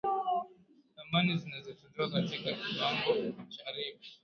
dhamana zinatolewa katika kiwango cha riba